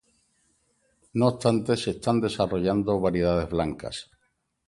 No obstante, se están desarrollando variedades blancas